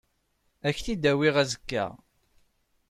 Ad k-t-id-awiɣ azekka.